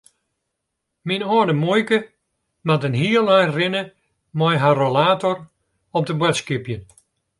Myn âlde muoike moat in heel ein rinne mei har rollator om te boadskipjen.